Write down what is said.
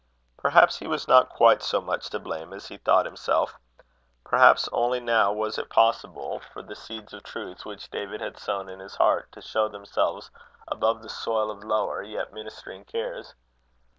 Perhaps he was not quite so much to blame as he thought himself. Perhaps only now was it possible for the seeds of truth, which David had sown in his heart, to show themselves above the soil of lower, yet ministering cares.